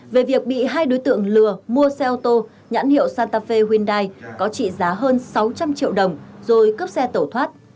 về việc bị hai đối tượng lừa mua xe ô tô nhãn hiệu santafe hyundai có trị giá hơn sáu trăm linh triệu đồng rồi cướp xe tẩu thoát